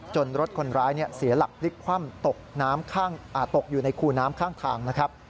จนรถคนร้ายเสียหลักฤทธิ์คว่ำตกอยู่ในคู่น้ำข้างนะครับ